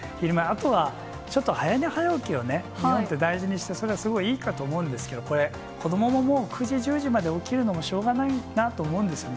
あとは、ちょっと早寝早起きを大事にして、それはすごいいいかと思うんですけど、これ、子どもももう９時、１０時まで起きるのはしょうがないなと思うんですよね。